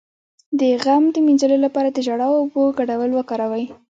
د غم د مینځلو لپاره د ژړا او اوبو ګډول وکاروئ